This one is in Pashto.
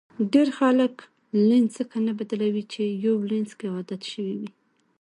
ډېری خلک لینز ځکه نه بدلوي چې په یو لینز کې عادت شوي وي.